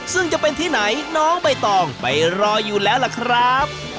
ซึ่งจะเป็นที่ไหนน้องใบตองไปรออยู่แล้วล่ะครับ